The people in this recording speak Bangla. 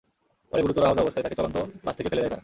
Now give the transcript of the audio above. পরে গুরুতর আহত অবস্থায় তাঁকে চলন্ত বাস থেকে ফেলে দেয় তারা।